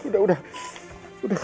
udah udah udah